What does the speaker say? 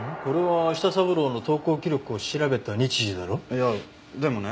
いやでもね